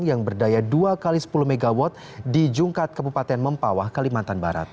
yang berdaya dua x sepuluh mw di jungkat kabupaten mempawah kalimantan barat